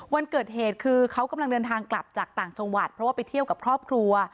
วันเกิดเหตุคือเขากำลังเดินทางกลับจากต่างจังหวัดเพราะว่าไปเที่ยวกับครอบครัว